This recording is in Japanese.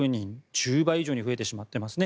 １０倍以上に増えてしまっていますね。